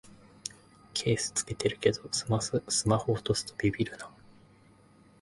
ケース付けてるけどスマホ落とすとビビるな